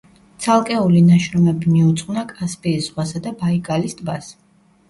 ცალკეული ნაშრომები მიუძღვნა კასპიის ზღვასა და ბაიკალის ტბას.